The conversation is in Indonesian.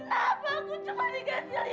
tapi aku mau buka sendiri